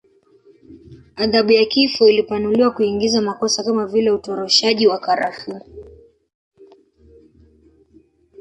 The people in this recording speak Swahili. Adhabu ya kifo ilipanuliwa kuingiza makosa kama vile utoroshaji wa karafuu